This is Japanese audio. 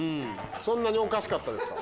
そんなにおかしかったですか。